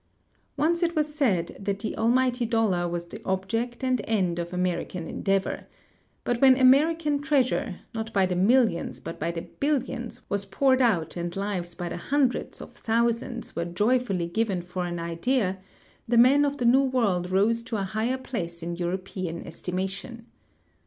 Once it was said that the almighty dollar was the object and end of American endeavor, but when American treasure — not by the millions but b}'' the billions — was poured out and lives by the hundreds of thousands were joyfully given for an idea tlie men of the new world rose to a higher place in Euroj)ean esti mation.